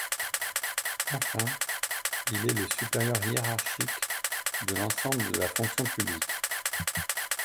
Enfin, il est le supérieur hiérarchique de l'ensemble de la fonction publique.